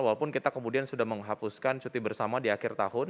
walaupun kita kemudian sudah menghapuskan cuti bersama di akhir tahun